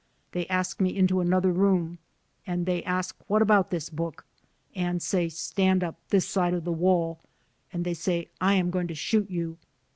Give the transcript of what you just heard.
They ask me into another room, and they ask what about this book, and say stand up, this side of the wall, and they say I am going to shoot you.